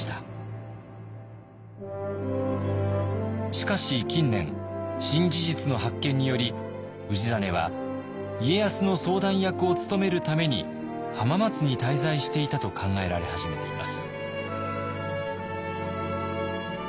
しかし近年新事実の発見により氏真は家康の相談役を務めるために浜松に滞在していたと考えられ始めています。